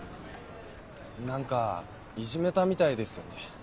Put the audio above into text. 何かいじめたみたいですよね。